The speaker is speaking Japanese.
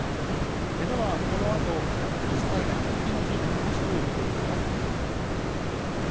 では、このあと土砂災害に危険な地域を詳しく見ていきます。